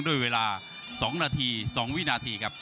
ด้วยเวลา๒นาที๒วินาทีครับ